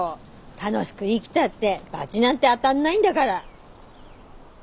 楽しく生きたってバチなんて当たんないんだから。